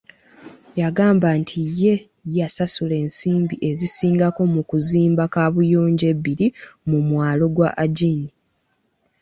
Yagamba nti ye yasasula ensimbi ezisingako mu kuzimba kaabuyonjo ebbiri ku mwalo gwa Ajini.